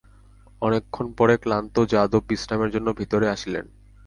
অনেকক্ষণ পরে ক্লান্ত যাদব বিশ্রামের জন্য ভিতরে আসিলেন।